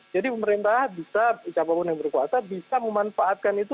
jadi pemerintah bisa siapapun yang berkuasa bisa memanfaatkan itu